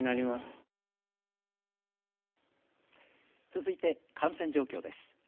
続いて感染状況です。